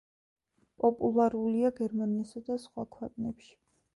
პოპულარულია გერმანიასა და სხვა ქვეყნებში.